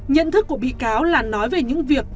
nhận thức của bị cáo là nói về những việc